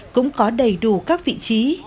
cũng có đầy đủ các vị trí